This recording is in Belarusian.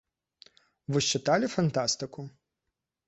Вы ж чыталі фантастыку?